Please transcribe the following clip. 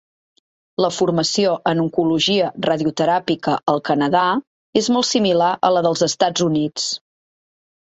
La formació en oncologia radioteràpica al Canadà és molt similar a la dels Estats Units.